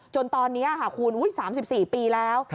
จนตอนนี้คูณ๓๔ปีแล้ว